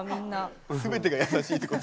全てが優しいってこと？